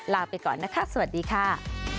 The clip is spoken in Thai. ลาไปก่อนนะคะสวัสดีค่ะ